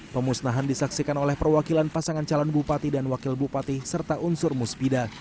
pemusnahan disaksikan oleh perwakilan pasangan calon bupati dan wakil bupati serta unsur musbida